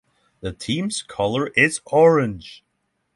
The team's color is orange.